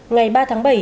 ngày ba tháng bảy